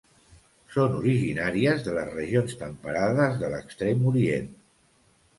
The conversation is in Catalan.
Són originàries de les regions temperades de l'Extrem Orient.